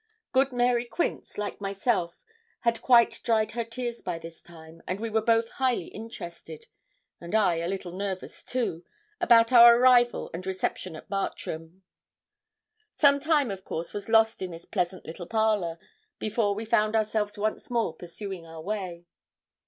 Good Mary Quince, like myself, had quite dried her tears by this time, and we were both highly interested, and I a little nervous, too, about our arrival and reception at Bartram. Some time, of course, was lost in this pleasant little parlour, before we found ourselves once more pursuing our way.